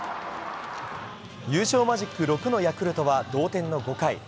優勝マジック６のヤクルトは同点の５回。